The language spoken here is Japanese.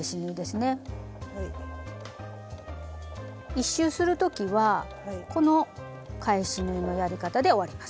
１周する時はこの返し縫いのやり方で終わります。